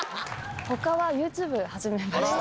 他はＹｏｕＴｕｂｅ始めました。